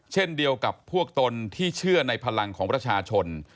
เช่นเดียวกับพวกตนที่เชื่อในพลังของประชาชน